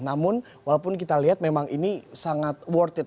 namun walaupun kita lihat memang ini sangat worth it